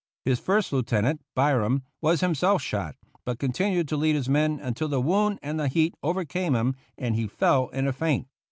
His First Lieutenant, Byram, was himself shot, but continued to lead his men until the wound and the heat overcame him and he fell in a faint.